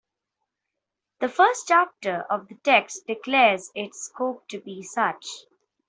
The first chapter of the text declares its scope to be such.